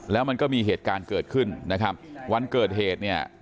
แล้วมันก็มีเหตุการณ์เกิดขึ้นนะครับวันเกิดเหตุเนี่ย